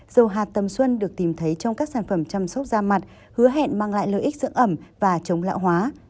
dầu hạt tầm xuân được tìm thấy trong các sản phẩm chăm sóc da mặt hứa hẹn mang lại lợi ích dưỡng ẩm và chống lão hóa